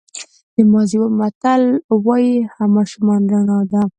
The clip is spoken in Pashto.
د مازی متل وایي ماشومان رڼا ده.